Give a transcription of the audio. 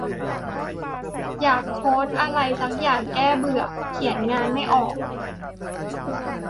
อยากโค้ดอะไรซักอย่างแก้เบื่อ เขียนงานไม่ออก